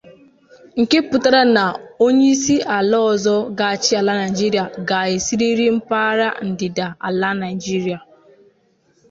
nke pụtara na onyeisiala ọzọ ga-achị ala Nigeria ga-esirịrị mpaghara ndịda ala Nigeria